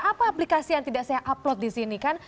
apa aplikasi yang tidak saya upload di sini kan